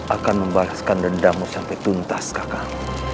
akan membalaskan dendamu sampai tuntas kakak